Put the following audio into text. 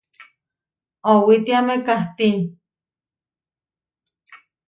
Owítiame kahtí.